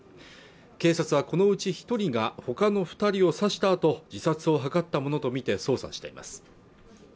警察はこのうち一人がほかの二人を刺したあと自殺を図ったものとみて捜査しています